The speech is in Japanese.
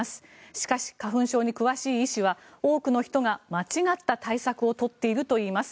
しかし、花粉症に詳しい医師は多くの人が間違った対策を取っているといいます。